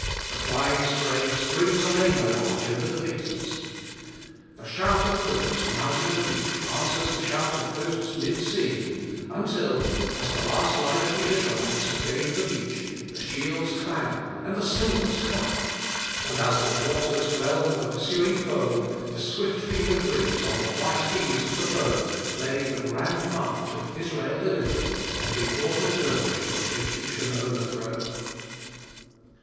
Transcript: The flying spray springs a rainbow arch over the victors. The shout of hosts mounting the beach answers the shout of hosts mid sea; until, as the last line of the Israelites have gained the beach, the shields clang, and the cymbals clap; and as the waters whelm the pursuing foe, the swift fingered winds on the white keys of the foam play the grand march of Israel delivered, and the awful dirge of Egyptian overthrow.